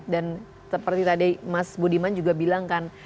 dan seperti tadi mas budiman juga bilangkan